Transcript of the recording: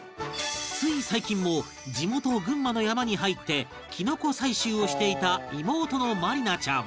つい最近も地元群馬の山に入ってきのこ採集をしていた妹の真理奈ちゃん